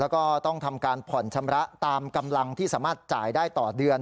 แล้วก็ต้องทำการผ่อนชำระตามกำลังที่สามารถจ่ายได้ต่อเดือน